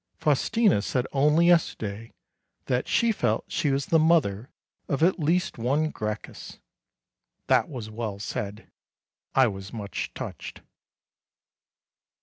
Faustina said only yesterday that she felt she was the mother of at least one Gracchus! That was well said. I was much touched.